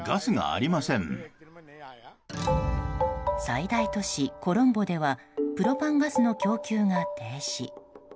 最大都市コロンボではプロパンガスの供給が停止。